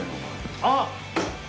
あっ！